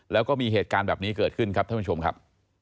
แล้วก็มีเหตุการณ์แบบนี้เกิดขึ้นครับท่านผู้ชมครับ